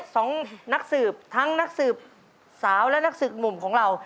สองนักสืบทั้งสืบสาวและสืบมุมของเรา